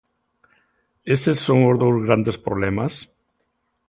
¿Eses son os dous grandes problemas?